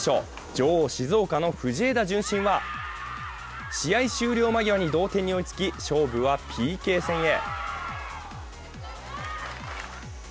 女王・静岡の藤枝順心は試合終了間際に同点に追いつき勝負はＰＫ戦へ。